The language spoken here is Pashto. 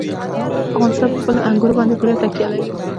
افغانستان په خپلو انګورو باندې پوره تکیه لري.